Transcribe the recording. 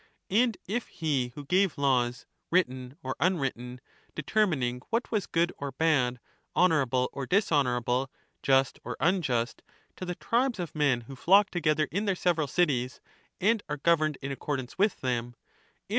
And if he who gave laws, written or unwritten, deter ^^^"^ mining what was good or bad, honourable or dishonourable, ^...^ just or unjust, to the tribes of men who flock together in their lator, in several cities, and are governed in accordance with them : if, ^^ T